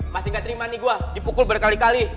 masih ga terima nih gua dipukul berkali kali